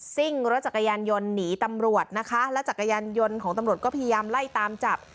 ซิ่งรถจักรยานยนต์หนีตำรวจนะคะและจักรยานยนต์ของตำรวจก็พยายามไล่ตามจับ